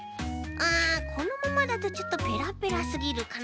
このままだとちょっとぺらぺらすぎるかな。